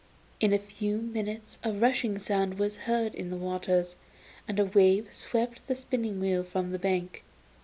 In a few minutes a rushing sound was heard in the waters, and a wave swept the spinning wheel from the bank.